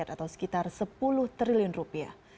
atau sekitar sepuluh triliun rupiah